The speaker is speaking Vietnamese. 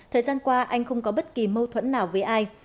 thời gian qua anh không có bất kỳ mâu thuẫn nào với ai